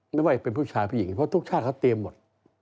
ไม่ว่าจะเป็นผู้ชายผู้หญิงเพราะทุกชาติเขาเตรียมหมด